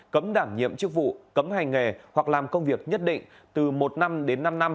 cấm đảm nhiệm chức vụ cấm hành nghề hoặc làm công việc nhất định từ một năm đến năm năm